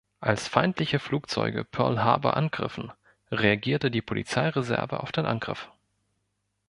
Als feindliche Flugzeuge Pearl Harbor angriffen, reagierte die Polizeireserve auf den Angriff.